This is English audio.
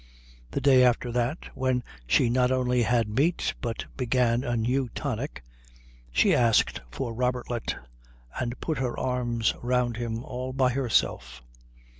The day after that, when she not only had meat but began a new tonic, she asked for Robertlet and put her arms round him all by herself.